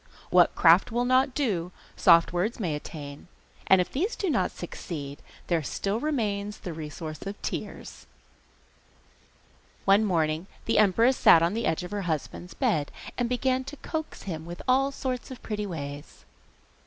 What craft will not do soft words may attain, and if these do not succeed there still remains the resource of tears. One morning the empress sat on the edge of her husband's bed, and began to coax him with all sorts of pretty ways.